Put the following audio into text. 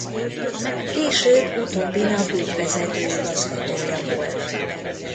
Később utóbbinak ügyvezető igazgatója volt.